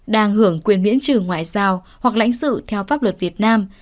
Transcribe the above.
đang hưởng quyền miễn trừ ngoại giao hoặc lãnh sự theo pháp luật việt nam